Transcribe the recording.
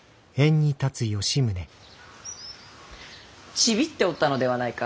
チビっておったのではないか。